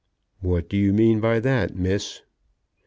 "What do you mean by that, miss?"